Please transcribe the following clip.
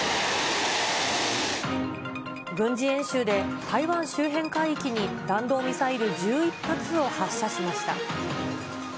軍事演習で台湾周辺海域に弾道ミサイル１１発を発射しました。